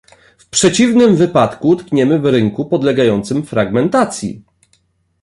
W przeciwnym wypadku utkniemy w rynku podlegającym fragmentacji